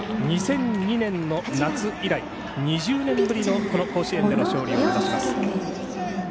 ２００２年の夏以来２０年ぶりの甲子園での勝利を目指します。